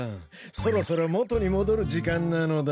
そろそろもとにもどるじかんなのだ。